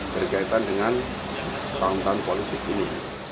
berkaitan dengan kegiatan politik ini